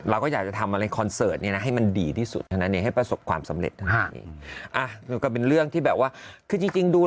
อะไรก็สอกความสำเร็จอ่ะเป็นเรื่องที่แบบว่าคือจริงดู